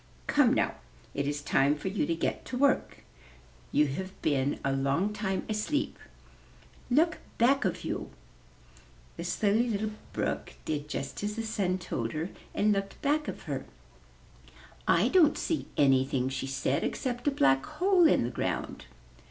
Come, now, it is time for you to get to work; you have been a long time asleep. Look back of you.'* The Silly Little Brook did just as the Sun told her and looked back of her. "I don't see anything," she said, "except a black hole in the ground."